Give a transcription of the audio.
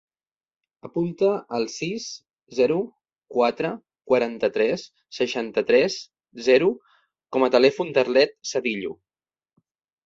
Apunta el sis, zero, quatre, quaranta-tres, seixanta-tres, zero com a telèfon de l'Arlet Cedillo.